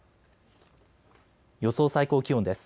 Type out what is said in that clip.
予想最高気温です。